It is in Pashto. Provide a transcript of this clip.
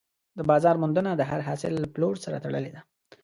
د بازار موندنه د هر حاصل له پلور سره تړلې ده.